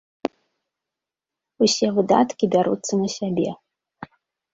Усе выдаткі бяруцца на сябе.